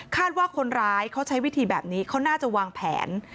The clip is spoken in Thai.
ว่าคนร้ายเขาใช้วิธีแบบนี้เขาน่าจะวางแผน